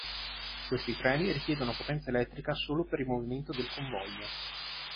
Questi treni richiedono potenza elettrica solo per il movimento del convoglio.